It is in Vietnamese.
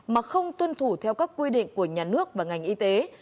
mà không tuân thủ theo các quy định của nhà nước và ngành y tế